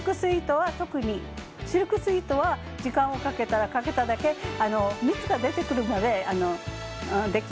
シルクスイートは時間をかけたらかけただけ蜜が出てくるまでできますね。